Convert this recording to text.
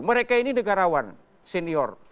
mereka ini negarawan senior